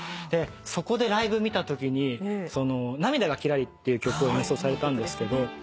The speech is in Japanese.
そこでライブ見たときに『涙がキラリ☆』っていう曲を演奏されたんですけど。